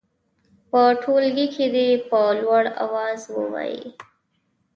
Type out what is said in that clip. په ټولګي کې دې په لوړ اواز ووايي.